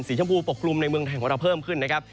ชมพูปกกลุ่มในเมืองไทยของเราเพิ่มขึ้นนะครับ